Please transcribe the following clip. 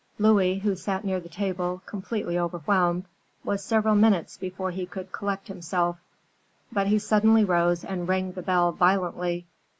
Louis, who sat near the table, completely overwhelmed, was several minutes before he could collect himself; but he suddenly rose and rang the bell violently.